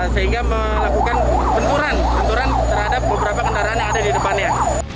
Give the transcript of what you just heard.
sehingga melakukan benturan benturan terhadap beberapa kendaraan yang ada di depannya